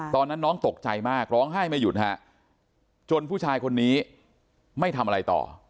ตอนนั้นน้องตกใจมากร้องไห้ไม่หยุดฮะจนผู้ชายคนนี้ไม่ทำอะไรต่อ